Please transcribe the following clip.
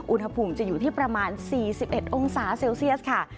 อุณหภูมิจะอยู่ที่ประมาณ๔๑องศาเซลเซียสค่ะ